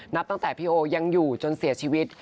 นับตั้งแต่พี่โอยังอยู่จนเสียชีวิต